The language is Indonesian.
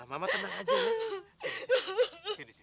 mama tenang aja ma